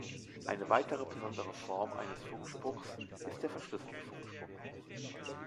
Eine weitere besondere Form eines Funkspruchs ist der verschlüsselte Funkspruch.